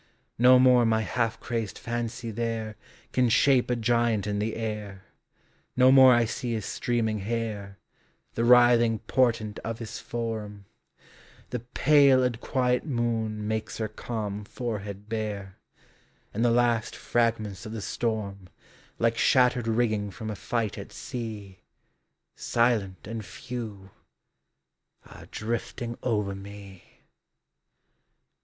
No more my half crazed fancy there Can shape a giant in the air, No more I see his streaming hair, • The writhing portent of his form; — The pale and quiet moon Makes her calm forehead bare, And the last fragments of the storm, Like shattered rigging from a fight at sea, Silent and few, are drifting over me.